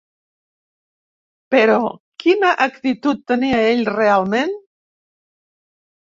Però quina actitud tenia ell realment?